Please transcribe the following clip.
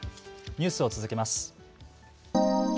ニュースを続けます。